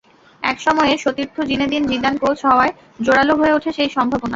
একসময়ের সতীর্থ Zinedine Zidane coach হওয়ায় জোরালো হয়ে ওঠে সেই সম্ভাবনা।